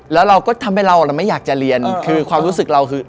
แล้วเราก็ทำให้เราไม่อยากจะเรียนคือความรู้สึกเราคือ